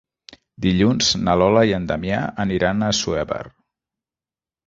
Dilluns na Lola i en Damià aniran a Assuévar.